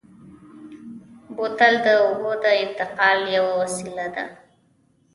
بوتل د اوبو د انتقال یوه وسیله ده.